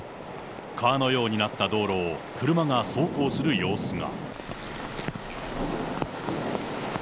川のようになった道路を車が走行する様子が。